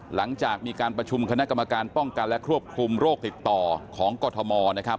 หลังจากมีการประชุมคณะกรรมการป้องกันและควบคุมโรคติดต่อของกรทมนะครับ